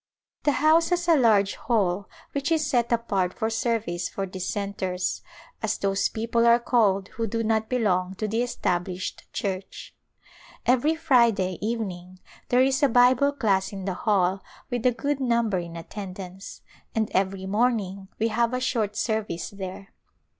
The house has a large hall which is set apart for service for Dissenters, as those people are called who do not belong to the Established Church. Every Fri day evening there is a Bible class in the hall with a good number in attendance, and every morning we have a short service there.